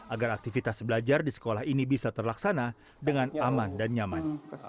agar aktivitas belajar di sekolah ini bisa terlaksana dengan aman dan nyaman